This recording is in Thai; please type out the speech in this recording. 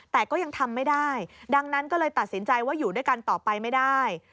แต่ก็ยังทำไม่ได้ดังนั้นก็เลยตัดสินใจว่าอยู่ด้วยกันต่อไปไม่ได้